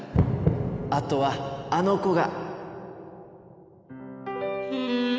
あとはあの子が。